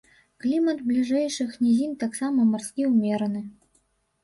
Клімат бліжэйшых нізін таксама марскі ўмераны.